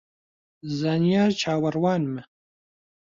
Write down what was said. زانیار چاوەڕوانمە